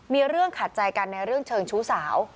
มีเรื่องขาดใจกันในเรื่องเชิงชู้สาว